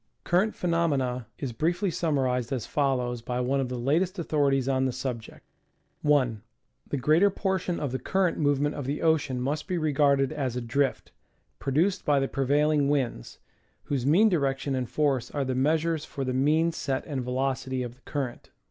Current phenomena is briefly summarized as follows by one of the latest authorities on the subject : 1. The greater portion of the current movement of the ocean must be regarded as a drift, produced by the prevailing winds, whose mean direction and force are the measures for the mean set and velocity of the current.